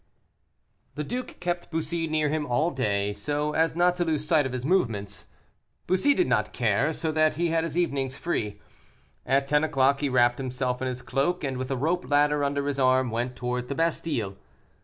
The duke kept Bussy near him all day, so as not to lose sight of his movements. Bussy did not care, so that he had his evenings free. At ten o'clock he wrapped himself in his cloak, and with a rope ladder under his arm went towards the Bastile.